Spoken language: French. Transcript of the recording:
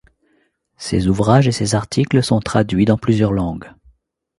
Ses ouvrages et ses articles sont traduits dans plusieurs langues.